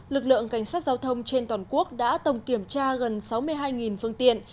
lực lượng cảnh sát giao thông trên toàn quốc đã tổng kiểm tra gần sáu mươi hai phương tiện